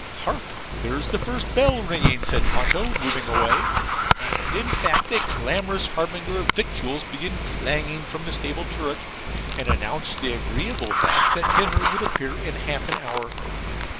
'Hark, theres the first bell ringing! 'said Ponto, moving away; and, in fact, a clamorous harbinger of victuals began clanging from the stable turret, and announced the agreeable fact that dinner would appear in half an hour.